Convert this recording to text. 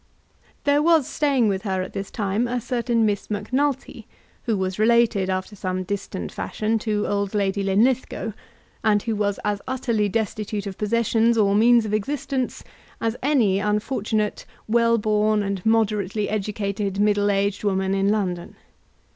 There was staying with her at this time a certain Miss Macnulty, who was related, after some distant fashion, to old Lady Linlithgow, and who was as utterly destitute of possessions or means of existence as any unfortunate, well born, and moderately educated, middle aged woman in London.